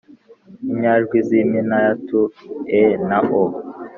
Inyajwi z’impinayatu: (e)na(o),